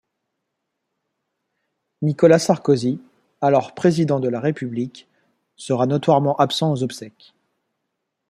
Nicolas Sarkozy, alors président de la république, sera notoirement absent aux obsèques.